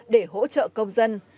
để hỗ trợ công dân